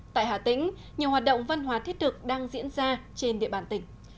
tại hà tĩnh nhiều hoạt động văn hóa thiết thực đang diễn ra trên địa bàn tỉnh